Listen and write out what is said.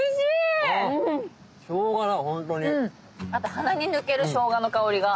鼻に抜けるしょうがの香りが。